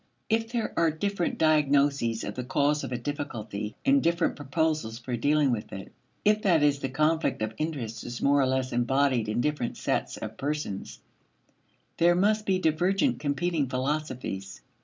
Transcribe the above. If there are different diagnoses of the cause of a difficulty, and different proposals for dealing with it; if, that is, the conflict of interests is more or less embodied in different sets of persons, there must be divergent competing philosophies.